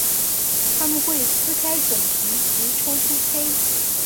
它们会撕开种皮及抽出胚。